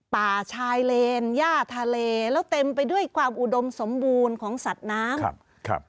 ป่าชายเลนย่าทะเลแล้วเต็มไปด้วยความอุดมสมบูรณ์ของสัตว์น้ำครับ